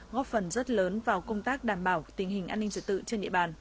góp phần rất lớn vào công tác đảm bảo tình hình an ninh trật tự